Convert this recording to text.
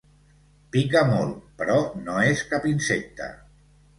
Pica molt, però no és cap insecte.